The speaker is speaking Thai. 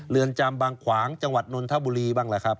เรือนจำบางขวางจังหวัดนนทบุรีบ้างล่ะครับ